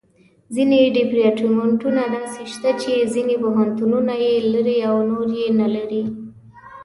ځینې ډیپارټمنټونه داسې شته چې ځینې پوهنتونونه یې لري او نور یې نه لري.